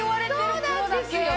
そうなんですよ！